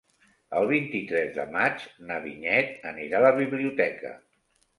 El vint-i-tres de maig na Vinyet anirà a la biblioteca.